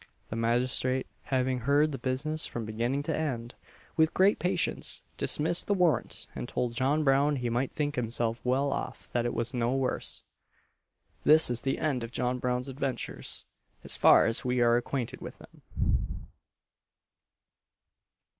The magistrate having heard the business from beginning to end, with great patience, dismissed the warrant, and told John Brown he might think himself well off that it was no worse. This is the end of John Brown's adventures, as far as we are acquainted with them.